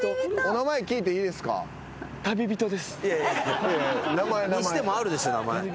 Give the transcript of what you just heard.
名前名前。にしてもあるでしょ名前。